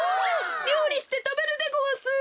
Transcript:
りょうりしてたべるでごわす！